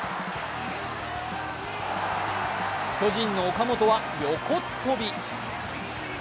巨人の岡本は横っ飛び。